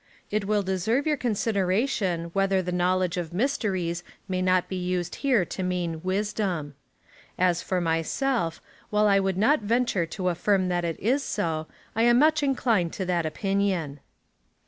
8,) it will deserve your consideration, whether the knowledge of mysteries may not be used here to mean wisdom. As for myself, while I would not venture to affirm that it is so, I am much inclined to that opinion.